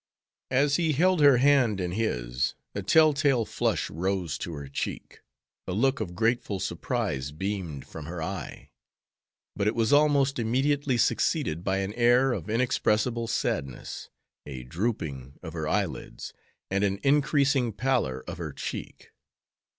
As he held her hand in his a tell tale flush rose to her cheek, a look of grateful surprise beamed from her eye, but it was almost immediately succeeded by an air of inexpressible sadness, a drooping of her eyelids, and an increasing pallor of her cheek.